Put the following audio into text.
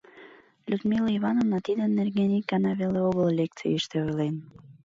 Людмила Ивановна тидын нерген ик гана веле огыл лекцийыште ойлен.